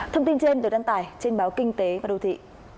thông tin trên được đăng tải trên báo kinh tế và đô thị